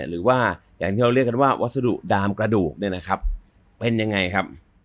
หรือว่าอย่างที่เราเรียกกันว่าวัสดุดามกระดูกเนี่ยนะครับเป็นยังไงครับ